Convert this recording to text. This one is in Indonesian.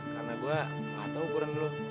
karena gue nggak tahu ukuran lo